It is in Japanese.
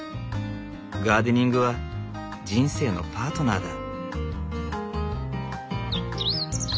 ガーデニングは人生のパートナーだ。